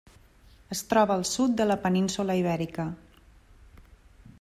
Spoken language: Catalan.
Es troba al sud de la península Ibèrica.